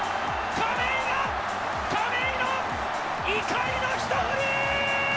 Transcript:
亀井の亀井の怒りの一振り！